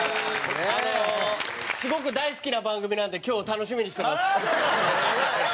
すごく大好きな番組なので今日楽しみにしてます。